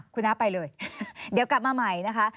คุณน้าไปเลยเดี๋ยวกลับมาใหม่นะคะ